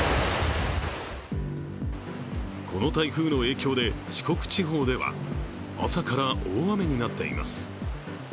この台風の影響で、四国地方では朝から大雨になっています。